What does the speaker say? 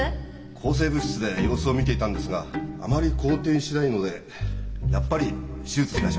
抗生物質で様子をみていたんですがあまり好転しないのでやっぱり手術しましょう。